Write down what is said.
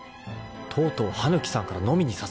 とうとう羽貫さんから飲みに誘われた